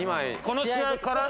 この試合から。